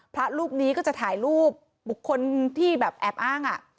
พระรูปนี้ก็จะถ่ายรูปบุคคลที่แบบแอบอ้าง